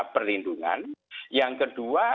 perlindungan yang kedua